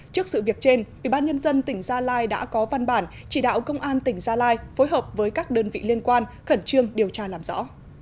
trước sự việc trên ủy ban nhân dân tỉnh gia lai đã có văn bản chỉ đạo công an tỉnh gia lai phối hợp với các đơn vị liên quan khẩn trương điều tra làm rõ